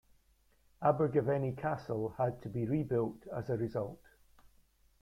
Abergavenny Castle had to be rebuilt as a result.